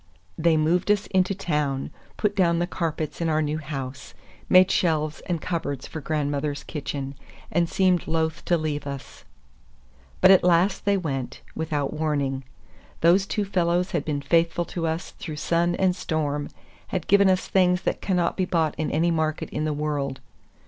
They moved us into town, put down the carpets in our new house, made shelves and cupboards for grandmother's kitchen, and seemed loath to leave us. But at last they went, without warning. Those two fellows had been faithful to us through sun and storm, had given us things that cannot be bought in any market in the world.